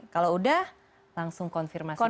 kalau udah langsung konfirmasi